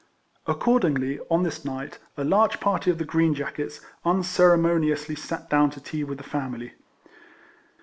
Accor dingly, on this night, a large party of the green jackets unceremoniously sat down to tea with the family.